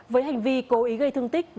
với hành vi cố ý gây thương tích